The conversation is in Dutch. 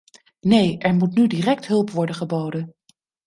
Nee, er moet nu direct hulp worden geboden.